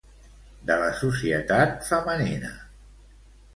De la societat femenina.